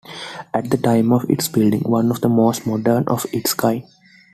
At the time of its building, one of the most modern of its kind.